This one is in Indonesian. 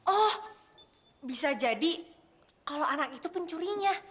oh bisa jadi kalau anak itu pencurinya